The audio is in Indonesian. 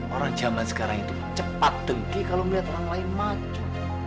orang zaman sekarang itu cepat dengki kalau melihat orang lain maju